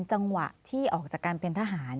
จังหวะที่ออกจากการเป็นทหาร